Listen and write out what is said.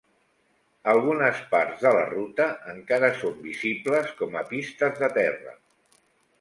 Algunes parts de la ruta encara són visibles com a pistes de terra.